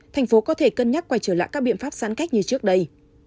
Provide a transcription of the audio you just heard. thành phố có thể cân nhắc quay trở lại các biện pháp giãn cách như trước đây